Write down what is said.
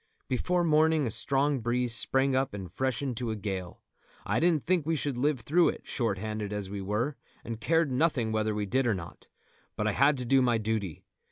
Before morning a strong breeze sprang up and freshened to a gale. I didn't think we should live through it, short handed as we were, and cared nothing whether we did or not; but I had to do my duty.